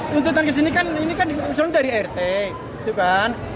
tutupan kesini kan ini kan misalnya dari rt gitu kan